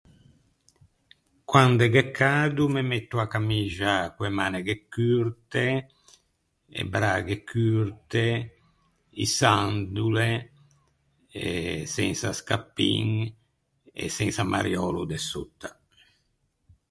Quande gh’é cado me metto a camixa co-e maneghe curte, e braghe curte, i sandole eh sensa scappin e sensa mariölo de sotta.